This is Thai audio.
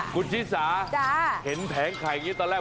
คุณชิสาเห็นแผงไข่อย่างนี้ตอนแรก